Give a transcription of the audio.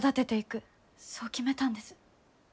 そう決めたんです。